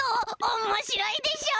おもしろいでしょ！？